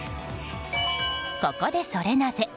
ここで、ソレなぜ？